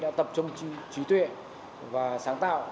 đã tập trung trí tuệ và sáng tạo